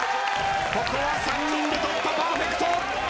ここは３人でとったパーフェクト。